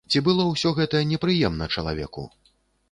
Ці было ўсё гэта непрыемна чалавеку?